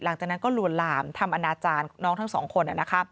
หลังจากนั้นก็ลวนลามทำอนาจารย์น้องทั้งสองคน